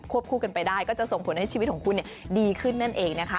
คู่กันไปได้ก็จะส่งผลให้ชีวิตของคุณดีขึ้นนั่นเองนะคะ